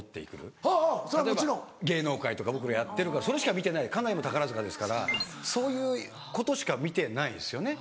例えば芸能界とか僕がやってるからそれしか見てない家内も宝塚ですからそういうことしか見てないですよね。